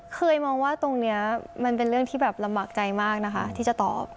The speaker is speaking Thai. เคยมองว่าตรงนี้มันเป็นเรื่องที่แบบลำบากใจมากนะคะที่จะตอบ